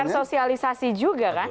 ini berarti pr sosialisasi juga kan